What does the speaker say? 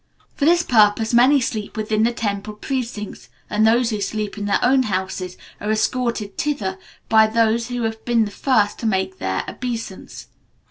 For this purpose, many sleep within the temple precincts, and those who sleep in their own houses are escorted thither by those who have been the first to make their obeisance.